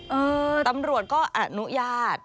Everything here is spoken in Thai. เออตำรวจก็อนุญาต